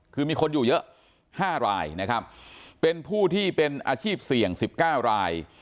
คือมีคนอยู่เยอะ๕รายนะครับเป็นผู้ที่เป็นอาชีพเสี่ยง๑๙ราย